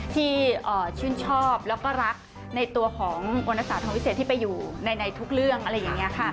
ที่ชื่นชอบแล้วก็รักในตัวของวรรณศาสตองพิเศษที่ไปอยู่ในทุกเรื่องอะไรอย่างนี้ค่ะ